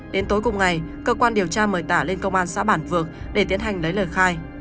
đến tối cùng ngày cơ quan điều tra mời tả lên công an xã bản vược để tiến hành lấy lời khai